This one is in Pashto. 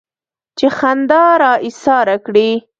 چې خندا را ايساره کړي.